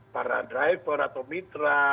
para driver atau mitra